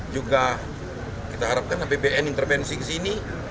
juga kita harapkan apbn intervensi kesini